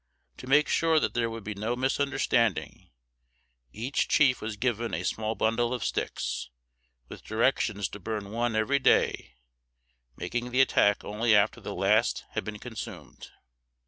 To make sure that there should be no misunderstanding, each chief was given a small bundle of sticks, with directions to burn one every day, making the attack only after the last had been consumed.